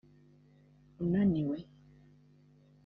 unaniwe